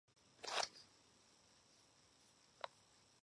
She and Richard are cousins.